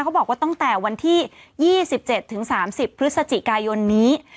เขาบอกว่าตั้งแต่วันที่ยี่สิบเจ็ดถึงสามสิบพฤษจิกายนนี้